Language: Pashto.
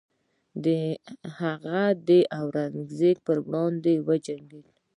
هغه د اورنګزیب پر وړاندې وجنګید.